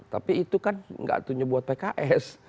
tapi itu kan gak tunjuk buat pks